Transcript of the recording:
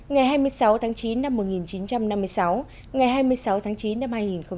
ngày hai mươi sáu tháng chín năm một nghìn chín trăm năm mươi sáu ngày hai mươi sáu tháng chín năm hai nghìn một mươi chín